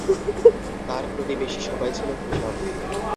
তার প্রতিবেশী সবাই ছিল কৃষক।